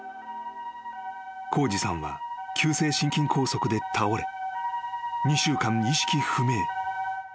［浩二さんは急性心筋梗塞で倒れ２週間意識不明］